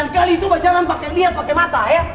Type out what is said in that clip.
kalian itu jangan pakai lihat pakai mata ya